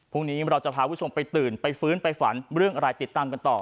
พรุ่งนี้เราจะพาคุณผู้ชมไปตื่นไปฟื้นไปฝันเรื่องอะไรติดตามกันต่อ